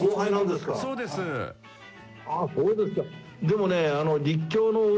でもね。